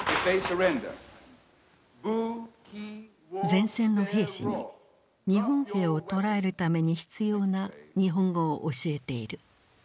前線の兵士に日本兵を捕らえるために必要な日本語を教えている。